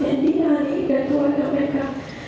yang dinamik dan keluarga mereka